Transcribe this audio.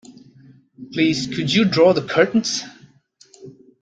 Please could you draw the curtains?